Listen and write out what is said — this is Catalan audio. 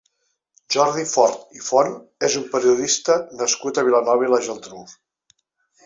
Jordi Fort i Font és un periodista nascut a Vilanova i la Geltrú.